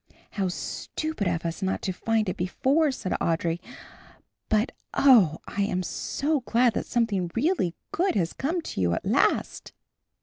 "How stupid of us not to find it before," said Audry, "but, oh, I am so glad that something really good has come to you at last."